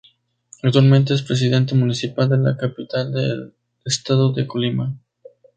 Actualmente es presidente municipal de la capital del estado de Colima.